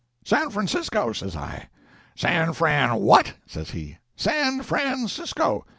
"San Francisco," says I. "San Fran—what?" says he. "San Francisco."